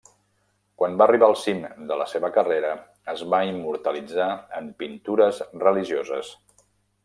Quan va arribar al cim de la seva carrera, es va immortalitzar en pintures religioses.